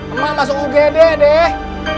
emang masuk ugd deh